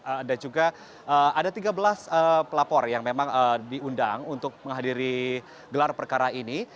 ada juga ada tiga belas pelapor yang memang diundang untuk menghadiri gelar perkara ini